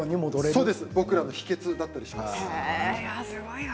僕らの秘けつだったりします。